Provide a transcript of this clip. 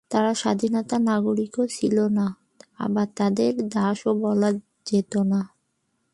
তারা স্বাধীন নাগরিকও ছিল না, আবার তাদের দাসও বলা যেত না।